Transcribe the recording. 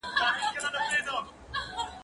زه هره ورځ تمرين کوم!.